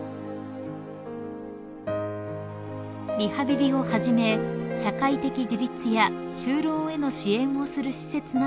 ［リハビリをはじめ社会的自立や就労への支援をする施設などにも足を運び］